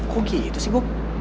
kok gitu sih